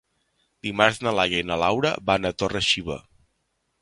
Dimarts na Laia i na Laura van a Torre-xiva.